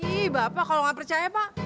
ih bapak kalau gak percaya pak